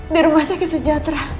di rumah sakit sejahtera